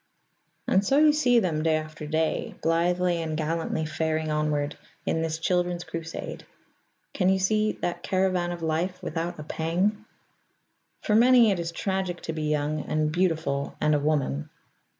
And so you see them, day after day, blithely and gallantly faring onward in this Children's Crusade. Can you see that caravan of life without a pang? For many it is tragic to be young and beautiful and a woman.